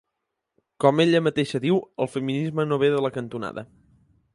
Com ella mateixa diu, “el feminisme no ve de la cantonada”.